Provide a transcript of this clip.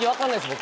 僕。